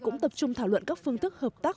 cũng tập trung thảo luận các phương thức hợp tác